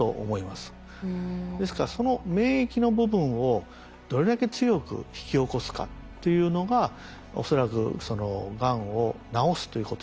ですからその免疫の部分をどれだけ強く引き起こすかっていうのが恐らくそのがんを治すということにつながるというふうに思うんですね。